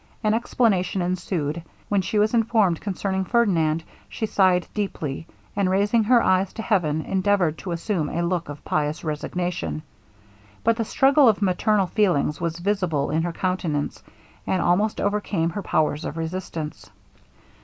An explanation ensued; When she was informed concerning Ferdinand, she sighed deeply, and raising her eyes to heaven, endeavoured to assume a look of pious resignation; but the struggle of maternal feelings was visible in her countenance, and almost overcame her powers of resistance.